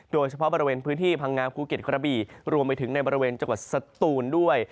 โดยเฉพาะบริเวณพื้นที่พังงาภูเก็ตกระบี่รวมไปถึงในบริเวณจังหวัดสตูนด้วย